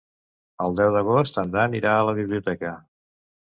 El deu d'agost en Dan irà a la biblioteca.